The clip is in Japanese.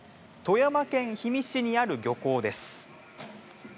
富山県氷見市にある漁港です。